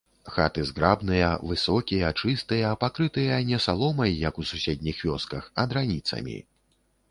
Хаты зграбныя, высокія, чыстыя, пакрытыя не саломай, як у суседніх вёсках, а драніцамі.